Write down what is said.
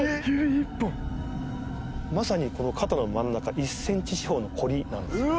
まさにこの肩の真ん中１センチ四方のこりなんですよ。